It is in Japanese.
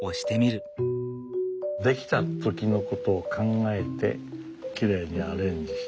出来た時のことを考えてきれいにアレンジして。